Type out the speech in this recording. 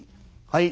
「はい」。